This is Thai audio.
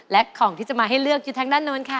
และของที่จะมาให้เลือกอยู่ทางด้านโน้นค่ะ